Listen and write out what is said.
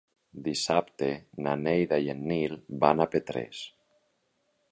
Dissabte na Neida i en Nil van a Petrés.